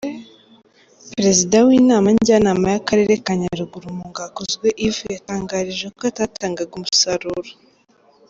Perezida w’Inama Njyanama y’Akarere ka Nyaruguru, Mungwakuzwe Yves, yatangarije ko atatangaga umusaruro.